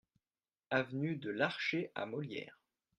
Avenue de Larché à Molières